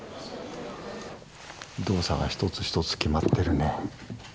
動作が一つ一つきまってるね。